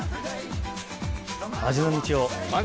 味の道を。